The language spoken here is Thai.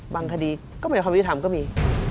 คดีก็ไม่ความยุติธรรมก็มี